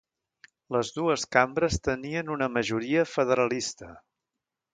Les dues cambres tenien una majoria federalista.